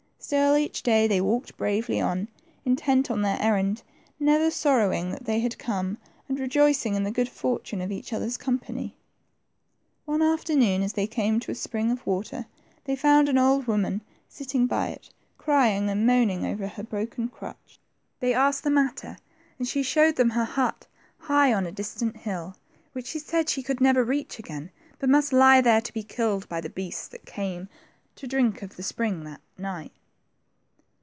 Still each day they walked bravely on, intent on their errand, never sorrowing that they had come, and rejoicing in the good fortune of each other's com pany. One afternoon as they came to a spring of water, they found an old woman sitting by it, crying and moaning over her broken crutch. They asked the matter, and she showed them her hut, high on a distant hill, which she said she could never reach again, but must lie there to be killed by the beasts that came to drink of the spring at night.